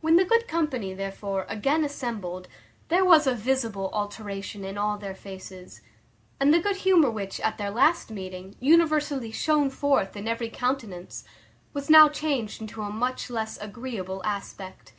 When the good company, therefore, again assembled, there was a visible alteration in all their faces; and the good humour which, at their last meeting, universally shone forth in every countenance, was now changed into a much less agreeable aspect.